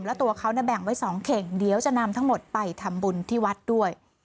แล้วตัวเขาแบ่งไว้๒เข่งเดี๋ยวจะนำทั้งหมดไปทำบุญที่วัดด้วย